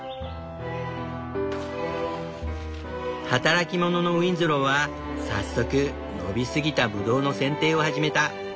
働き者のウィンズローは早速伸びすぎたブドウの剪定を始めた。